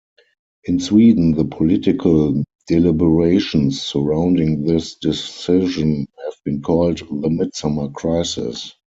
In Sweden the political deliberations surrounding this decision have been called the "midsummer crisis".